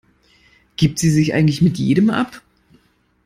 Gibt sie sich eigentlich mit jedem ab?